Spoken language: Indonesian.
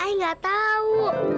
ayah gak tau